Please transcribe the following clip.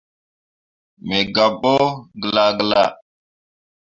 Me gabɓo galla galla.